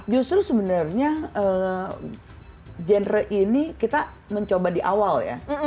justru sebenarnya genre ini kita mencoba di awal ya